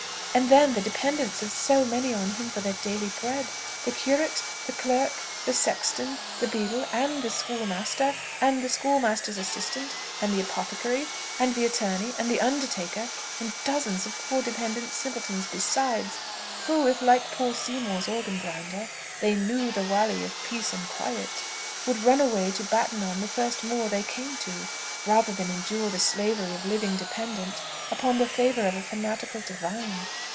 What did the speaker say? And then, the dependence of so many on him for their daily bread! the curate, the clerk, the sexton, the beadle, and the schoolmaster, and the schoolmaster's assistant, and the apothecary, and the attorney, and the undertaker, and dozens of poor dependent simpletons besides, who, if, like poor Seymour's organ grinder, they "knew the walley of peace and quiet," would run away to batten on the first moor they came to, rather than endure the slavery of living dependent upon the favour of a fanatical divine.